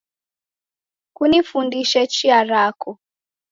Kunifundishe chia rako